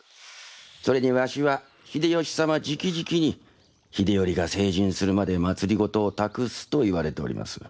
それにわしは秀吉様じきじきに秀頼が成人するまで政事を託すと言われております。